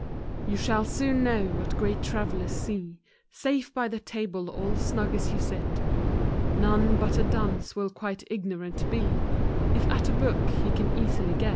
You shall soon know what great travellers see, Safe by the table all snug as you sit; None but a dunce will quite ignorant be, If at a book he can easily get.